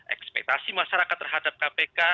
ekspektasi masyarakat terhadap kpk